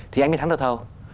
thì anh mới thắng được thầu